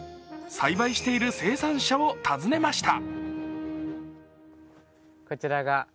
栽培している生産者を訪ねました。